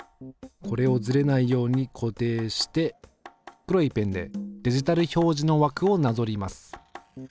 これをずれないように固定して黒いペンでデジタル表示の枠をなぞります。